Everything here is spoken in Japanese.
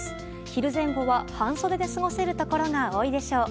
昼前後は半袖で過ごせるところが多いでしょう。